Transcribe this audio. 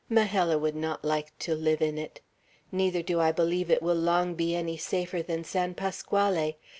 Majella would not like to live in it. Neither do I believe it will long be any safer than San Pasquale.